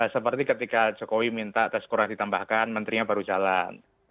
seperti ketika jokowi minta tes kurang ditambahkan menterinya baru jalan